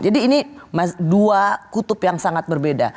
jadi ini dua kutub yang sangat berbeda